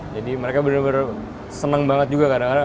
jadi mereka bener bener seneng banget juga kadang kadang